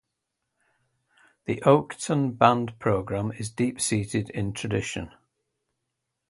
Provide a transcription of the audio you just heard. The Oakton Band program is deep-seated in tradition.